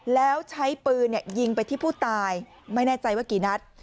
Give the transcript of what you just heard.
แล้วใช้ปืนยิงไปที่ผู้ตายไม่แน่ใจว่ากี่นัด